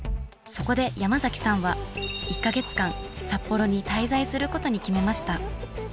そこで山崎さんは１か月間札幌に滞在することに決めました。